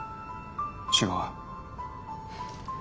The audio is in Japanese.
違う。